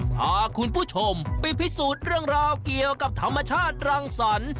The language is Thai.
พาคุณผู้ชมไปพิสูจน์เรื่องราวเกี่ยวกับธรรมชาติรังสรรค์